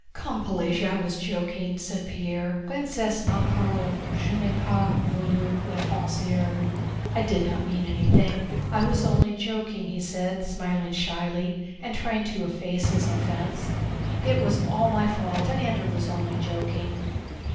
"Come, Pelagéya, I was joking," said Pierre. "Princesse, ma parole, je n'ai pas voulu l'offenser. * I did not mean anything, I was only joking," he said, smiling shyly and trying to efface his offense. "It was all my fault, and Andrew was only joking."